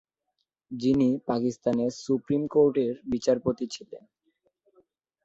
যিনি পাকিস্তানের সুপ্রিম কোর্টের বিচারপতি ছিলেন।